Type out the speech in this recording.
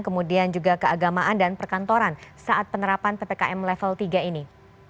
kemudian juga keagamaan dan perkantoran saat penerapan ppkm level tiga ini